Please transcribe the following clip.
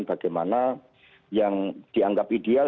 bagaimana yang dianggap ideal